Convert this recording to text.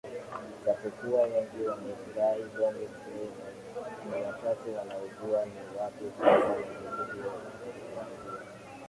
Japokuwa wengi wanaifurahia Bongo Fleva ni wachache wanaojua ni wapi hasa muziki huu ulipoanzia